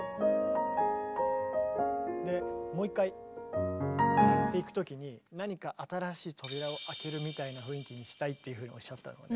でもう一回っていくときに何か新しい扉を開けるみたいな雰囲気にしたいっていうふうにおっしゃったのがね